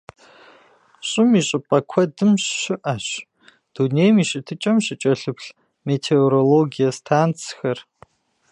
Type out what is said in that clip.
ЩӀым и щӀыпӀэ куэдым щыӀэщ дунейм и щытыкӀэм щыкӀэлъыплъ метеорологие станцхэр.